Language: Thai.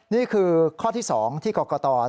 นี่คือข้อที่๒ที่กรกต